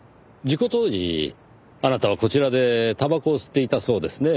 事故当時あなたはこちらでたばこを吸っていたそうですね。